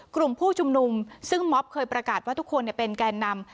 กลุ่มผู้ชุมนุมซึ่งม็อบเคยประกาศว่าทุกคนเป็นแกนนำ